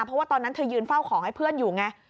เพราะว่าตอนนั้นเธอยืนเฝ้าของให้เพื่อนอยู่ไง